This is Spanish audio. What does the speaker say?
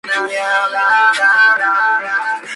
Era descendiente de una antigua familia de Nueva Inglaterra.